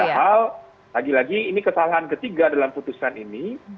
padahal lagi lagi ini kesalahan ketiga dalam putusan ini